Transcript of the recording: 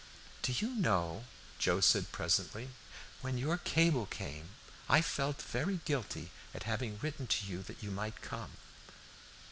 "Do you know," Joe began presently, "when your cable came I felt very guilty at having written to you that you might come?"